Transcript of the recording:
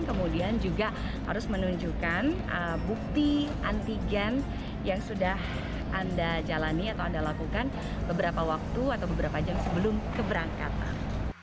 kemudian juga harus menunjukkan bukti antigen yang sudah anda jalani atau anda lakukan beberapa waktu atau beberapa jam sebelum keberangkatan